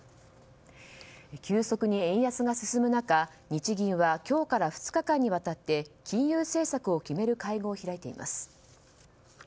急速に円安が進む中、日銀は今日から２日間にわたって金融政策を決める会合を開いています。